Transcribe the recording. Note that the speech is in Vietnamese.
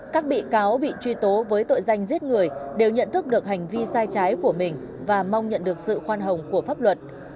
các bị cáo bị truy tố với tội danh giết người đều nhận thức được hành vi sai trái của mình và mong nhận được sự khoan hồng của pháp luật